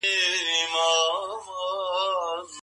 د ميرمني د مادي حقوقو ساتنه څه معنی لري؟